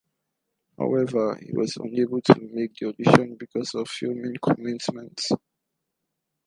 However he was unable to make the audition because of filming commitments.